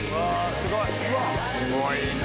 すごいな。